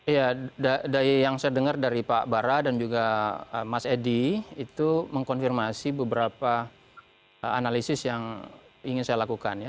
ya dari yang saya dengar dari pak bara dan juga mas edi itu mengkonfirmasi beberapa analisis yang ingin saya lakukan ya